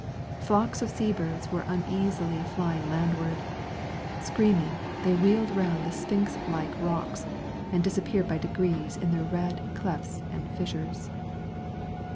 Flocks of sea birds were uneasily flying landward; screaming, they wheeled round the sphinx like rocks, and disappeared by degrees in their red clefts and fissures.